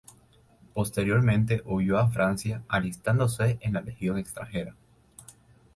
Posteriormente huyó a Francia, alistándose en la legión extranjera.